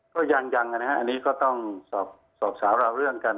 ก็ยังนะฮะอันนี้ก็ต้องสอบสาวราวเรื่องกัน